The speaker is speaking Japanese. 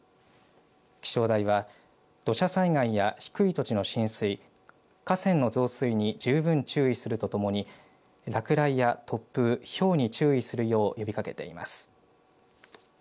気象台は土砂災害や低い土地の浸水河川の増水に十分注意するとともに落雷や突風、ひょうに注意するよう呼びかけています。